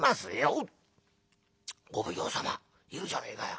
おっお奉行様いるじゃねえかよ。